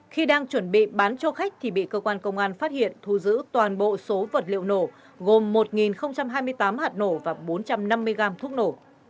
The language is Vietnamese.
khi đang chuẩn bị bán cho khách thì bị cơ quan công an phát hiện thu giữ toàn bộ số vật liệu nổ gồm một hai mươi tám hạt nổ và bốn trăm năm mươi gram thuốc nổ